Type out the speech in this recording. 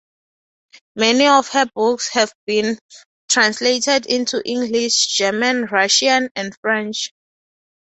Many of her books have been translated into English, German, Russian, and French.